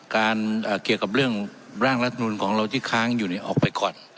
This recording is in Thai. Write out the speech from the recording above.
เกี่ยวกับเรื่องร่างรัฐมนุนของเราที่ค้างอยู่ออกไปก่อน